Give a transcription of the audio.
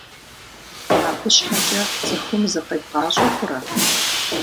Абы щхьэкӏэ цӏыхум закъебгъащӏэ хъурэ?